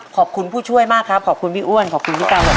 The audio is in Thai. ผู้ช่วยมากครับขอบคุณพี่อ้วนขอบคุณพี่กาว